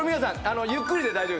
ゆっくりで大丈夫です。